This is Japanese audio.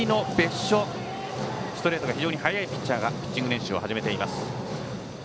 ストレートが非常に速いピッチャーがピッチング練習を始めています。